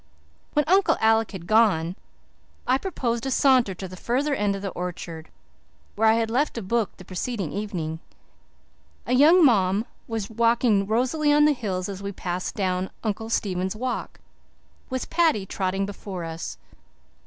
When Uncle Alec had gone I proposed a saunter to the farther end of the orchard, where I had left a book the preceding evening. A young mom was walking rosily on the hills as we passed down Uncle Stephen's Walk, with Paddy trotting before us.